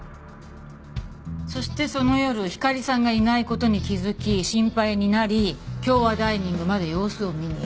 そしてその夜ひかりさんがいない事に気づき心配になり京和ダイニングまで様子を見に行った。